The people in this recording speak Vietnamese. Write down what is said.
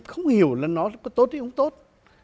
không hiểu là nó có tốt hay không tốt